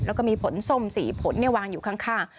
แล้วก็มีผลทรวมสีผลนี่วางอยู่ข้างข้าง